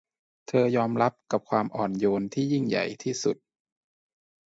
เธอยอมรับกับความอ่อนโยนที่ยิ่งใหญ่ที่สุด